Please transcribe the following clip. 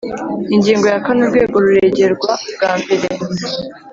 Ingingo ya kane Urwego ruregerwa bwa mbere